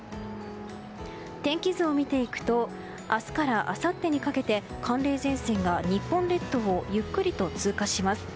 天気図を見ていくと明日からあさってにかけて寒冷前線が日本列島をゆっくりと通過します。